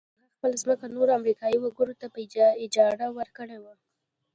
هغه خپله ځمکه نورو امريکايي وګړو ته په اجاره ورکړې وه.